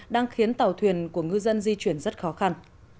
đang khiến tàu thuyền của ngư dân di chuyển rất khó khăn